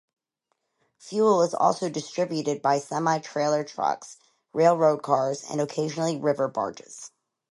Fuel is also distributed by semi-trailer trucks, railroad cars, and, occasionally, river barges.